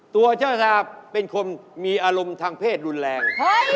ตัวเจ้าชาเป็นคนมีอารมณ์ทางเพศรุนแรง